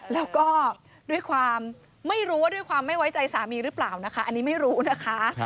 แล้วก็ด้วยความไม่รู้ว่าด้วยความไม่ไว้ใจสามีหรือเปล่านะคะอันนี้ไม่รู้นะคะ